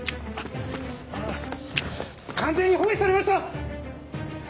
完全に包囲されました！